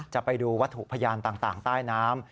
จะไปดูวัตถุพยานต่างใต้น้ำ